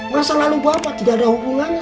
masa lalu bapak tidak ada hubungannya